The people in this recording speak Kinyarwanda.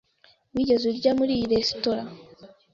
Wigeze urya muri iyi resitora?